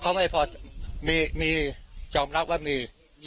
เขาไม่พอมียอมรับว่ามี